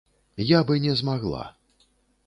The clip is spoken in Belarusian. Я бы не змагла.